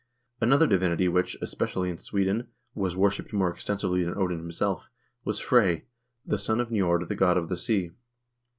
Another divinity which, especially in Sweden, was worshiped more extensively than Odin himself, was Frey, the son of Nj0rd the god of the sea.